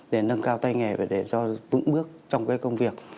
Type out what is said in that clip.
để nâng cao tay nghề và để cho vững bước trong cái công việc